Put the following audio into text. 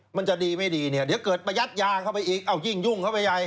มันจะดีไม่ดีเนี่ยเดี๋ยวเกิดประยัดยาเข้าไปอีกเอายิ่งยุ่งเข้าไปใหญ่